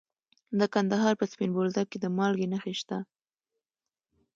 د کندهار په سپین بولدک کې د مالګې نښې شته.